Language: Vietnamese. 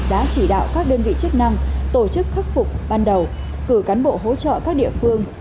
đã chỉ đạo các đơn vị chức năng tổ chức khắc phục ban đầu cử cán bộ hỗ trợ các địa phương